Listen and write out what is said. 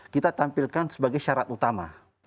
kita tampilkan sebagai syarat utama